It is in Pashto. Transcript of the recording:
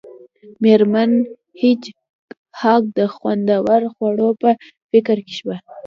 میرمن هیج هاګ د خوندورو خوړو په فکر کې شوه